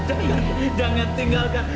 jangan jangan tinggalkan